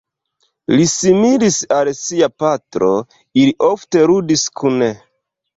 Li similis al sia patro, ili ofte ludis kune.